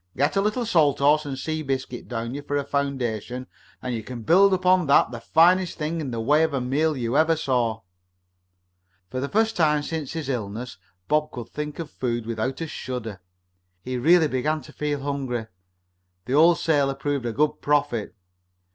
"Get a little salt horse and sea biscuit down for a foundation, and you can build up on that the finest thing in the way of a meal you ever saw." For the first time since his illness Bob could think of food without a shudder. He really began to feel hungry. The old sailor proved a good prophet.